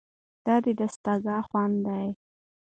دا دستګاه خوندي ده.